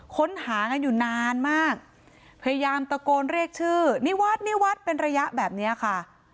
ค้นหากันอยู่นานมากพยายามตะโกนเรียกชื่อนิวัฒน์นิวัฒน์เป็นระยะแบบเนี้ยค่ะ